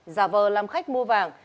giả vờ làm khách mua vàng